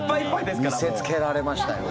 見せつけられましたよ。